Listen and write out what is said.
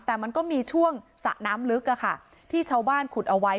แต่มันก็มีช่วงสระน้ำลึกที่ชาวบ้านขุดเอาไว้